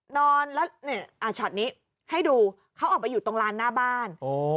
นอนแล้วช็อตนี้ให้ดูเขาออกไปอยู่ตรงลานหน้าบ้าน